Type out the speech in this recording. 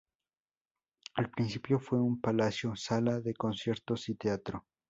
Al principio fue un palacio, sala de conciertos y teatro.